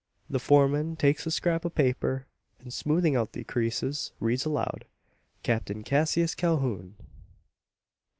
The foreman takes the scrap of paper; and, smoothing out the creases, reads aloud: Captain Cassius Calhoun!